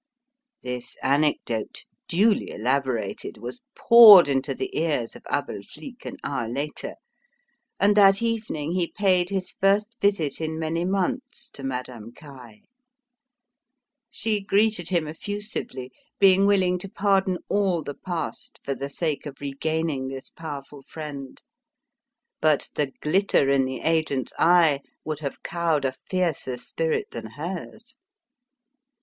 This anecdote, duly elaborated, was poured into the ears of Abel Flique an hour later, and that evening he paid his first visit in many months to Madame Caille. She greeted him effusively, being willing to pardon all the past for the sake of regaining this powerful friend. But the glitter in the agent's eye would have cowed a fiercer spirit than hers.